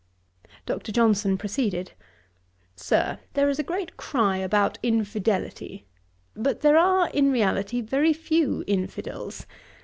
Dr. Johnson proceeded: 'Sir, there is a great cry about infidelity; but there are, in reality, very few infidels.